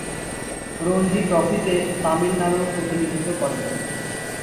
রঞ্জী ট্রফিতে তামিলনাড়ুর প্রতিনিধিত্ব করেন।